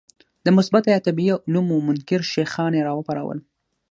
د مثبته یا طبیعي علومو منکر شیخان یې راوپارول.